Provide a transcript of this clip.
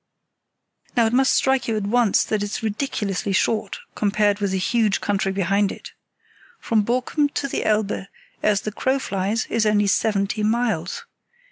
"Now it must strike you at once that it's ridiculously short compared with the huge country behind it. From Borkum to the Elbe, as the crow flies, is only seventy miles.